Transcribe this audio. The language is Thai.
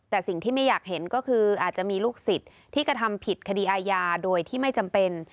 แต่สิ่งที่ไม่อยากเห็นก็คืออาจจะมีลูกศิษย์ที่กระทำผิดคดีอาญาโดยที่ไม่จำเป็น